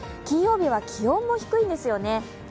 金曜日は気温も低いんですよね。